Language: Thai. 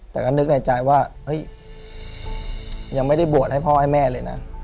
แต่ก็คิดด้วยใจว่ายังไม่ได้บวชให้พ่อไอ้แม่เลยนะ